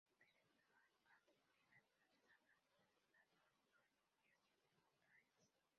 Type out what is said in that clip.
La tela estaba atribuida entonces a Adam van Noort, suegro y maestro de Jordaens.